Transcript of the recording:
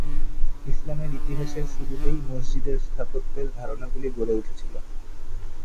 ইসলামের ইতিহাসের শুরুতেই মসজিদের স্থাপত্যের ধারণাগুলি গড়ে উঠেছিল।